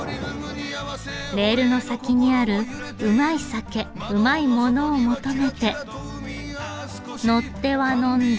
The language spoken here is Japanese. レールの先にあるうまい酒うまいものを求めて乗っては呑んで。